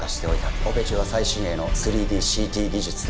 オペ中は最新鋭の ３ＤＣＴ 技術で